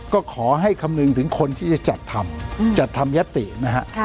ก็ขอให้คำนึงถึงคนที่จะจัดทำจัดทำยตินะฮะ